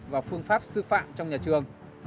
vào phương pháp sư phạm trong nhà trường